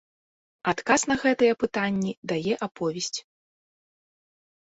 Адказ на гэтыя пытанні дае аповесць.